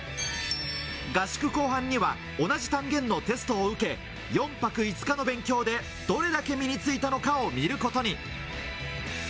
合宿後半には同じ単元のテストを受け、４泊５日の勉強でどれだけ身に着いたのかを見ることに。